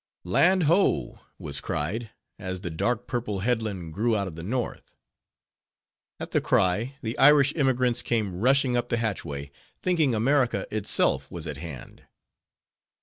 Land ho! was cried, as the dark purple headland grew out of the north. At the cry, the Irish emigrants came rushing up the hatchway, thinking America itself was at hand.